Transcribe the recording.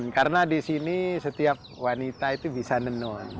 karena di sini setiap wanita itu bisa menenun